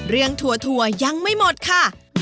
เรื่องทั่วยังไม่หมดค่ะ